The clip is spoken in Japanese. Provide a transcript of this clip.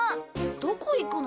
どこ行くの？